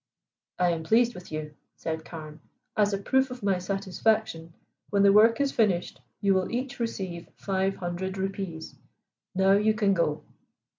"I am pleased with you," said Carne. "As a proof of my satisfaction, when the work is finished you will each receive five hundred rupees. Now you can go."